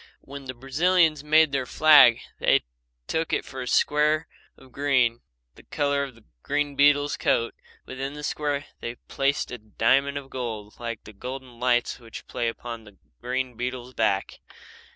When the Brazilians made their flag they took for it a square of green the colour of the green beetle's coat. Within this square they placed a diamond of gold like the golden lights which play upon the green beetle's back.